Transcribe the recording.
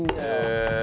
へえ。